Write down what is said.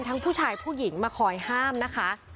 ผู้ชายผู้หญิงมาคอยห้ามนะคะ